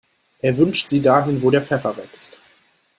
Er wünscht sie dahin, wo der Pfeffer wächst.